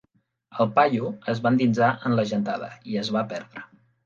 El paio es va endinsar en la gentada i es va perdre.